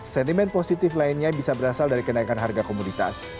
sentimen positif lainnya bisa berasal dari kenaikan harga komoditas